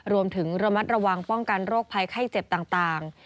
รวมถึงระมัดระวังป้องกันโรคภัยไข้เจ็บต่าง